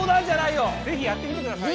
是非やってみてくださいよ。